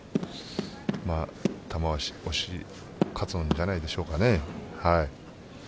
玉鷲が押し勝つんじゃないでしょうかね。